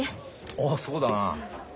あっそうだな。